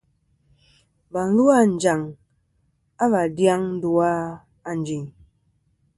Và lu a Anjaŋ va dyaŋ ndu a Ànjin.